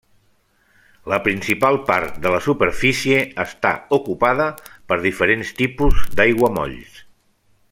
La principal part de la superfície està ocupada per diferents tipus d'aiguamolls.